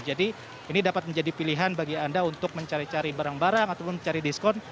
jadi ini dapat menjadi pilihan bagi anda untuk mencari cari barang barang ataupun mencari diskon